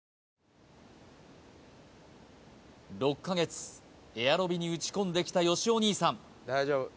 ６か月エアロビに打ち込んできたよしお兄さん